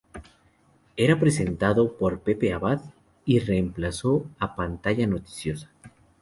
Era presentado por Pepe Abad y reemplazó a "Pantalla Noticiosa".